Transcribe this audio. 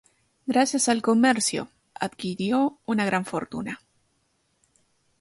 Gracias al comercio, adquirió una gran fortuna.